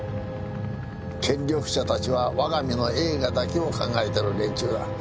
権力者たちは我が身の栄華だけを考えている連中だ。